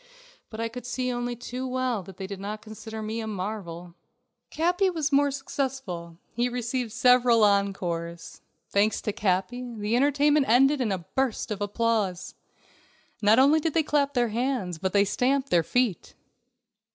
But I could see only too well that they did not consider me a marvel. Capi was more successful. He received several encores. Thanks to Capi, the entertainment ended in a burst of applause. Not only did they clap their hands, but they stamped their feet.